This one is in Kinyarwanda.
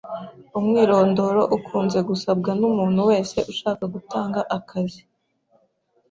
umwirondoro ukunze gusabwa n’umuntu wese ushaka gutanga akazi.